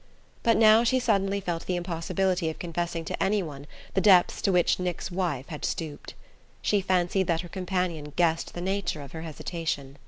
But now she suddenly felt the impossibility of confessing to anyone the depths to which Nick's wife had stooped. She fancied that her companion guessed the nature of her hesitation.